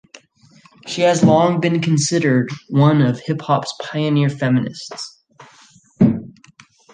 She has long been considered one of hip-hop's pioneer feminists.